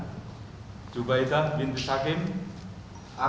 tapi karena penyakit yang terjadi di dalam tubuh saudari lina jubaida